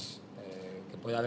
saya tidak bisa memahami